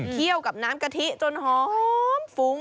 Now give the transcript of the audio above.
กับน้ำกะทิจนหอมฟุ้ง